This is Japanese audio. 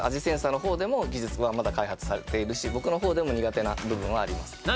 センサーの方でも技術はまだ開発されているし僕の方でも苦手な部分はあります